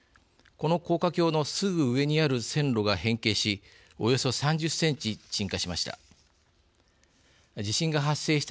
この高架橋のすぐ上にある線路が変形しおよそ３０センチ沈下しました。